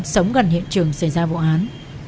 sống gần hiện trường xảy ra vụ án